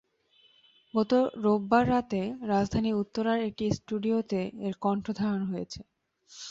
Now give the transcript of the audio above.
গত রোববার রাতে রাজধানীর উত্তরার একটি স্টুডিওতে এর কণ্ঠ ধারণ হয়েছে।